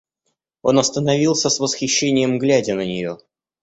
Он остановился, с восхищением глядя на нее.